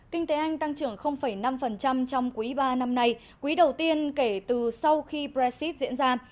kinh tế anh tăng trưởng năm trong quý ba năm nay quý đầu tiên kể từ sau khi brexit diễn ra